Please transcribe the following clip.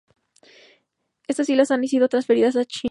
Estas islas han sido transferidas a China.